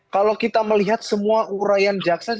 kalau kita melihat semua urayan jaksa